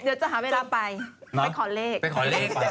เดี๋ยวจะหาเวลาไปไปขอเลข